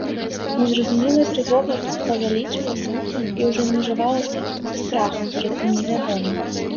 Незразумелая трывога павялічылася і ўжо межавалася са страхам перад тым невядомым.